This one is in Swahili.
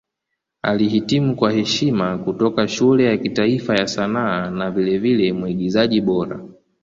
Alihitimu kwa heshima kutoka Shule ya Kitaifa ya Sanaa na vilevile Mwigizaji Bora.